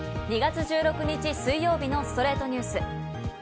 ２月１６日、水曜日の『ストレイトニュース』。